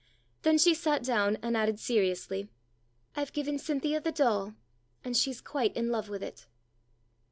Then she sat down, and added seriously, "I've given Cynthia the doll, and she's quite in love with it."